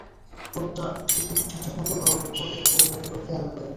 কোটটা ঠিকঠাক মতো পরো যাতে কেউ খেয়াল না করে, লেমন।